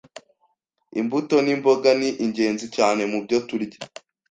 Imbuto n’imboga ni ingenzi cyane mubyo turya